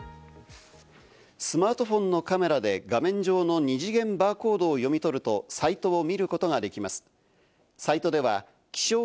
スマートフォンのカメラで画面上の二次元バーコードを読み取ると、サイトを見ることができます。